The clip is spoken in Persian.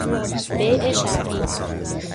بیع شرطی